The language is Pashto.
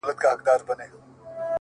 زما د ميني ليونيه ـ ستا خبر نه راځي ـ